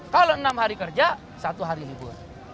kalau enam hari kerja satu hari libur